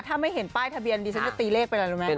ถ้าไม่เห็นป้ายทะเบียนดีฉันจะตีเลขไปเลย